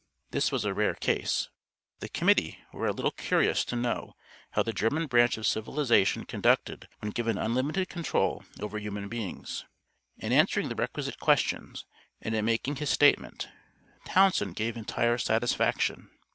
This was a rare case. The Committee were a little curious to know how the German branch of civilization conducted when given unlimited control over human beings. In answering the requisite questions, and in making his statement, Townsend gave entire satisfaction.